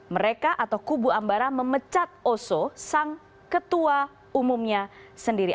mereka atau kubu ambara memecat oso sang ketua umumnya sendiri